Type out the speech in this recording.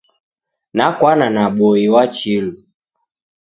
Nakwana na boi wa chilu.